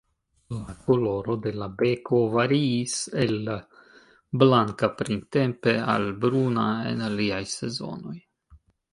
La koloro de la beko variis el blanka printempe al bruna en aliaj sezonoj.